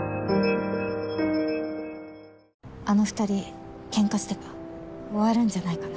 あの２人ケンカしてた終わるんじゃないかな。